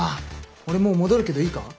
俺もう戻るけどいいか？